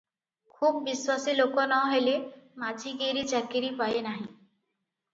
ଖୁବ୍ ବିଶ୍ୱାସୀ ଲୋକ ନ ହେଲେ ମାଝିଗିରି ଚାକିରି ପାଏ ନାହିଁ ।